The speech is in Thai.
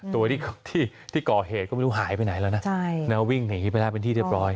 ตัวที่ก่อเหตุก็ไม่รู้หายไปไหนแล้วนะวิ่งหนีไปได้เป็นที่เรียบร้อย